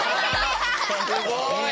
すごい！